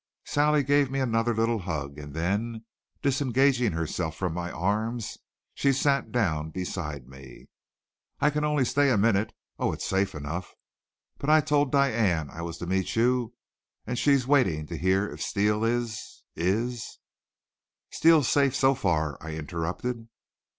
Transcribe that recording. Sally gave me another little hug, and then, disengaging herself from my arms, she sat down beside me. "I can only stay a minute. Oh, it's safe enough. But I told Diane I was to meet you and she's waiting to hear if Steele is is " "Steele's safe so far," I interrupted.